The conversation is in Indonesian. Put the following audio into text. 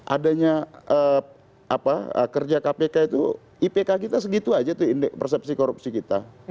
adanya kerja kpk itu ipk kita segitu saja persepsi korupsi kita